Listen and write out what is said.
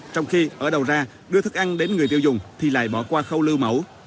trong khi ở đầu ra đưa thức ăn đến người tiêu dùng thì lại bỏ qua khâu lưu mẫu